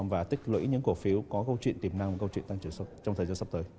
và tích lũy những cổ phiếu có câu chuyện tiềm năng và câu chuyện tăng trưởng trong thời gian sắp tới